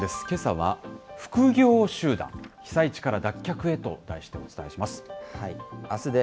けさは、副業集団、被災地から脱却へと題してお伝えします。